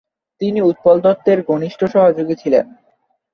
তিনি উৎপল দত্তের ঘনিষ্ঠ সহযোগী ছিলেন।